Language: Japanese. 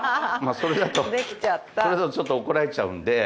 それだとちょっと怒られちゃうんで。